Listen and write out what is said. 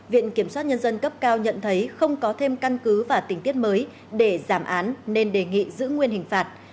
viện kiểm soát nhân dân cấp cao nhận thấy không có thêm căn cứ và tình tiết mới để giảm án nên đề nghị giữ nguyên hình phạt